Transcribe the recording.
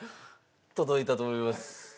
届いたと思います。